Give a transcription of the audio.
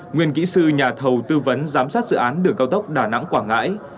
nguyên kỹ sư nhà thầu tư vấn giám sát dự án đường cao tốc đà nẵng quảng ngãi